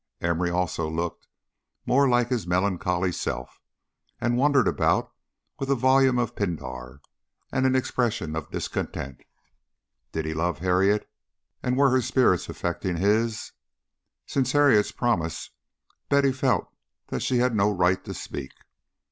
Emory also looked more like his melancholy self, and wandered about with a volume of Pindar and an expression of discontent. Did he love Harriet? and were her spirits affecting his? Since Harriet's promise Betty felt that she had no right to speak.